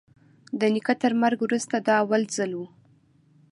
د نيکه تر مرگ وروسته دا اول ځل و.